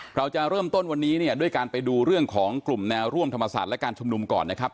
เราจะเริ่มต้นวันนี้เนี่ยด้วยการไปดูเรื่องของกลุ่มแนวร่วมธรรมศาสตร์และการชุมนุมก่อนนะครับ